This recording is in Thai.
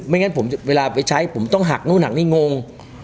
งั้นผมเวลาไปใช้ผมต้องหักนู่นหักนี่งง